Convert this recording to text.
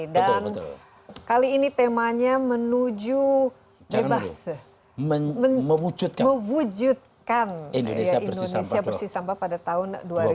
dan kali ini temanya menuju bebas mewujudkan indonesia bersih sampah pada tahun dua ribu dua puluh